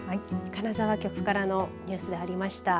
金沢局からのニュースがありました。